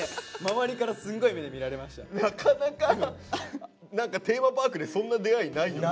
なかなか何かテーマパークでそんな出会いないよね。